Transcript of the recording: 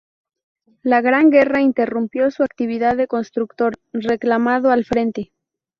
La Gran Guerra interrumpió su actividad de constructor, reclamado al frente.